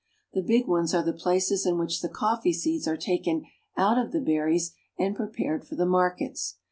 The big ones are the places in which the coffee seeds are taken out of the berries and prepared for the markets.